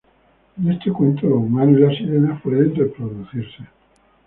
En este cuento los humanos y las sirenas pueden reproducirse.